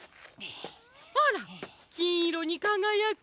あらきんいろにかがやく。